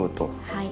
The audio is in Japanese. はい。